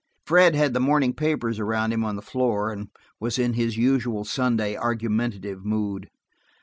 Fred had the morning papers around him on the floor, and was in his usual Sunday argumentative mood.